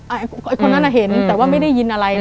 อ่ะไอ้คนนั้นอ่ะเห็นอืมแต่ว่าไม่ได้ยินอะไรอืม